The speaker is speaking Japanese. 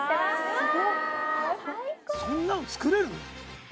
「そんなの作れるの？」